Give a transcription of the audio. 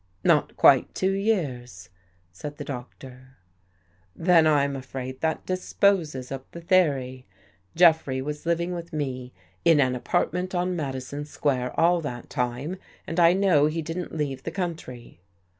" Not quite two years," said the Doctor. " Then I'm afraid that disposes of the theory. Jeffrey was living with me in an apartment on Madi son Square all that time, and I know he didn't leave the country."